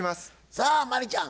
さあ真理ちゃん